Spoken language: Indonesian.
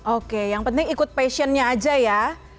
oke yang penting ikut passionnya aja ya